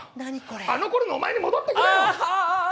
あのころのお前に戻って。